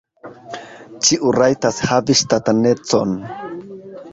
Ĉiu rajtas havi ŝtatanecon.